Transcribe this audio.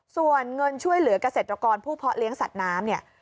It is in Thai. ส่วนเงินช่วยเหลือกระเศรษฐกรผู้เพาะเลี้ยงสัตว์น้ำ